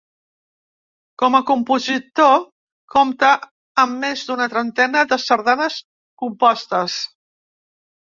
Com a compositor compta amb més d’una trentena de sardanes compostes.